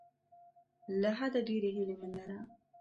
له حده ډیرې هیلې مه لره.